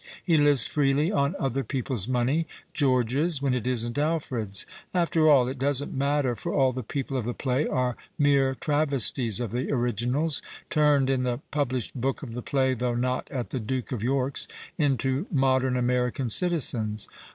He lives freely on other people's money, George's — when it isn't Alfred's. After all, it doesn't matter, for all the people of the play are mere travesties of the originals, turned (in the pub lished book of the play, though not at the Duke of. York's) into modern American citizens.